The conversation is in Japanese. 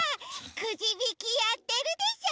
くじびきやってるでしょ。